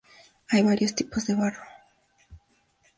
Hay varios tipos de barro.